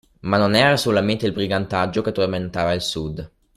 Ma non era solamente il brigantaggio che tormentava il Sud.